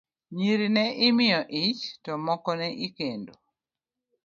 Nyiri ne imiyo ich, to moko ne ikendo.